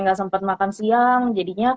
nggak sempat makan siang jadinya